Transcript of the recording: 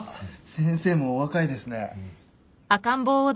先生もお若いですね。